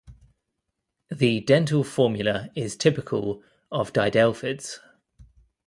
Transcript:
The dental formula is - typical of didelphids.